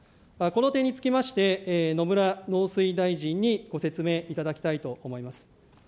この点につきまして、野村農水大臣にご説明いただきたいと思います。